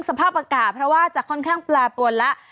สภาพอากาศเพราะว่าจะค่อนข้างแปรปรวนแล้ว